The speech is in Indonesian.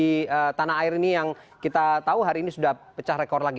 di tanah air ini yang kita tahu hari ini sudah pecah rekor lagi